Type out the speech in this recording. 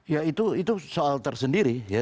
ya itu soal tersendiri ya